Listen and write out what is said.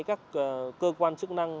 các cơ quan chức năng